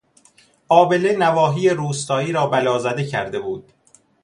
آبله نواحی روستایی را بلازده کرده بود.